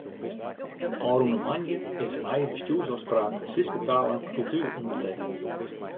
Ofrûne moandei is de nije Bestjoersôfspraak Fryske Taal en Kultuer ûndertekene.